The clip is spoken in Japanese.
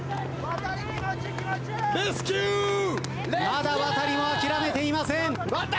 まだワタリも諦めていません。